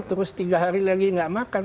terus tiga hari lagi nggak makan